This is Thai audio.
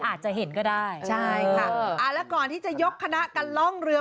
อาจจะเห็นก็ได้ใช่ค่ะอ่าแล้วก่อนที่จะยกคณะกันล่องเรือ